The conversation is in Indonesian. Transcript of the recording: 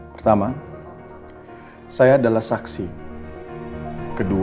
pertama saya adalah sasaran yang diberikan kepada anda